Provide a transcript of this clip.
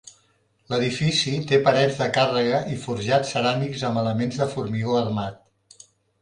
L'edifici té parets de càrrega i forjats ceràmics amb elements de formigó armat.